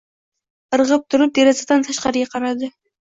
Irg‘ib turib, derazadan tashqariga qaradi.